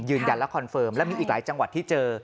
ยืนยันและคอนเฟิร์มและมีอีกหลายจังหวัดที่เจอ